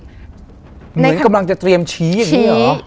เหมือนกำลังจะเตรียมชี้อย่างนี้เหรอ